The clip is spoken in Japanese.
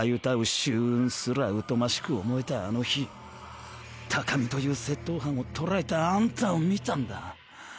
秋雲すら疎ましく思えたあの日鷹見という窃盗犯を捕らえたあんたを見たんだ。